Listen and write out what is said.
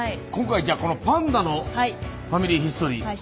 今回じゃあこのパンダの「ファミリーヒストリー」。